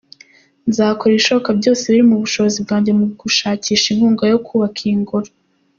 Nzakora ibishoboka byose biri mu bushobozi bwanjye mu gushakisha inkunga yo kubaka iyi ngoro.